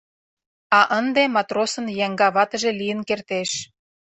А ынде матросын еҥга ватыже лийын кертеш...